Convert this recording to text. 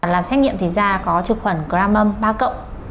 làm xét nghiệm thì ra có trực khuẩn gram mâm ba cộng